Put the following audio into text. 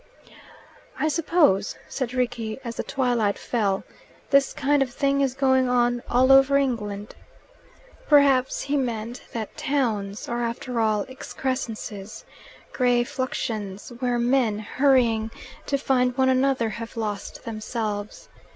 "I suppose," said Rickie as the twilight fell, "this kind of thing is going on all over England." Perhaps he meant that towns are after all excrescences, grey fluxions, where men, hurrying to find one another, have lost themselves.